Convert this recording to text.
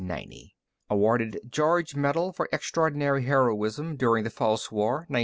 Awarded George Medal for extraordinary heroism during the False War (1981).